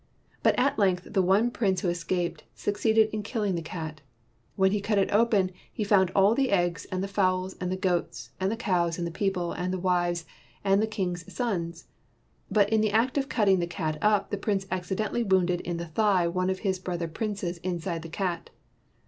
"But at length the one prince who es caped, succeeded in killing the cat. When he cut it open, he found all the eggs and the fowls and the goats and the cows and the people and the wives and the king's sons. But in the act of cutting the cat up, the prince accidentally wounded in the thigh one of his brother princes inside the cat.